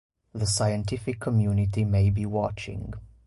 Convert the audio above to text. The scientific community may be watching.